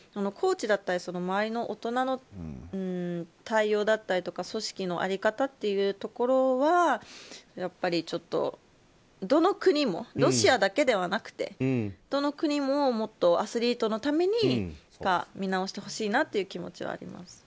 コーチだったり周りの大人の対応だったり組織の在り方というのはちょっと、どの国もロシアだけではなくて、どの国ももっとアスリートのために見直してほしいなという気持ちはあります。